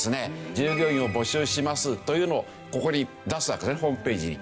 従業員を募集しますというのをここに出すわけですねホームページに。